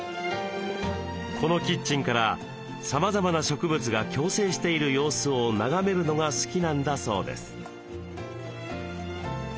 このキッチンからさまざまな植物が共生している様子を眺めるのが好きなんだそうです。